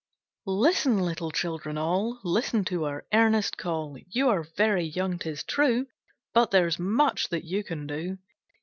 Listen, little children, all, Listen to our earnest call: You are very young, 'tis true, But there's much that you can do.